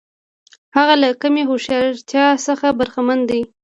هغه له کمې هوښیارتیا څخه برخمن دی.